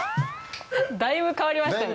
だいぶ変わりましたね。